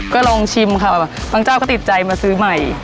ก็ลองชิมค่ะบางเจ้าก็ติดใจมาซื้อใหม่